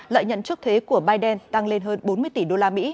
lợi nhuận trước thế của biden tăng lên hơn bốn mươi tỷ đô la mỹ